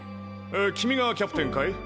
君がキャプテンかい？